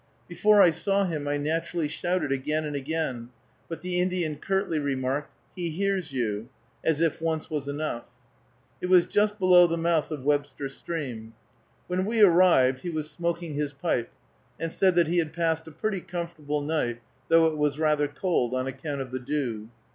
Before I saw him I naturally shouted again and again, but the Indian curtly remarked, "He hears you," as if once was enough. It was just below the mouth of Webster Stream. When we arrived, he was smoking his pipe, and said that he had passed a pretty comfortable night, though it was rather cold, on account of the dew.